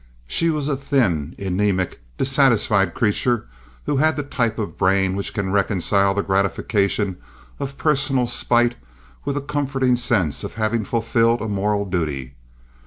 She was a thin, anemic, dissatisfied creature who had the type of brain which can reconcile the gratification of personal spite with a comforting sense of having fulfilled a moral duty.